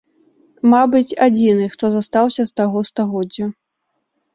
Мабыць, адзіны, хто застаўся з таго стагоддзя.